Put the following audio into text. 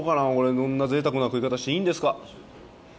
こんなぜいたくな食い方していいんですか。